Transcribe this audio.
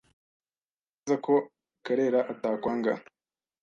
Nzi neza ko Karera atakwanga.